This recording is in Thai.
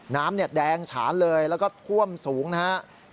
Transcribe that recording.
น้ำแดงฉานเลยแล้วก็ท่วมสูงนะครับ